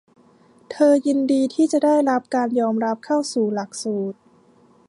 เธอยินดีที่จะได้รับการยอมรับเข้าสู่หลักสูตร